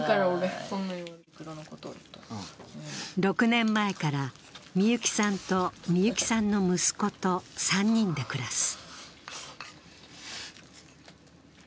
６年前から、幸さんと幸さんの息子と３人で暮らす。